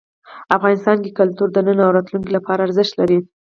افغانستان کې کلتور د نن او راتلونکي لپاره ارزښت لري.